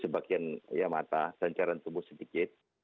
bagian mata dan cairan tubuh sedikit